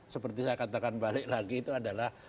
seperti saya katakan balik lagi itu adalah